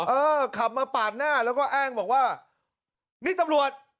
เออขับมาปาดหน้าแล้วก็อ้างบอกว่านี่ตำรวจ